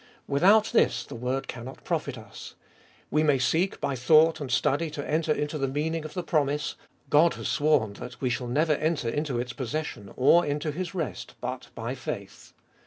Without this the word cannot profit us. We may seek by thought and study to enter into the meaning of the promise — God has sworn that we never shall enter into its possession, or into His rest, but by faith.